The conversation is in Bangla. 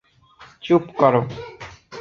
চুপ কর।